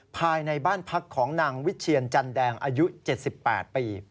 ภายในบ้านพักของนางวิเชียรจันแดงอายุ๗๘ปี